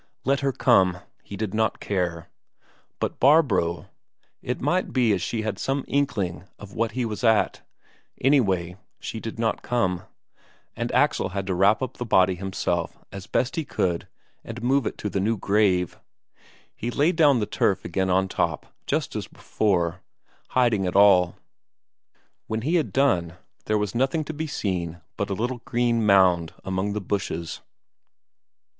Let her come he did not care! But Barbro it might be she had some inkling of what he was at; anyway, she did not come, and Axel had to wrap up the body himself as best he could and move it to the new grave. He laid down the turf again on top, just as before, hiding it all. When he had done, there was nothing to be seen but a little green mound among the bushes.